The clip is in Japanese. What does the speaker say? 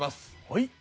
はい！